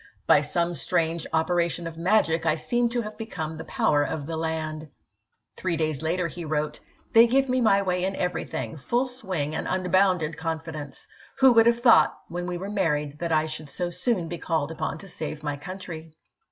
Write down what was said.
By some strange operation of magic I seem to have become the power of the land." Three days later he wrote: " They give me my way in everything, full swing and unbounded confidence. .. Who would have thought when we were married that I should so soon be called upon to save my country